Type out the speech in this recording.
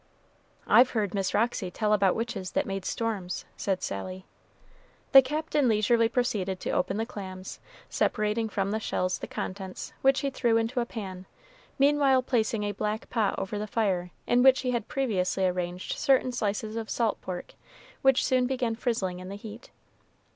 "I've heard Miss Roxy tell about witches that made storms," said Sally. The Captain leisurely proceeded to open the clams, separating from the shells the contents, which he threw into a pan, meanwhile placing a black pot over the fire in which he had previously arranged certain slices of salt pork, which soon began frizzling in the heat.